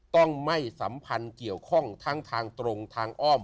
ต้องไม่สัมพันธ์เกี่ยวข้องทั้งทางตรงทางอ้อม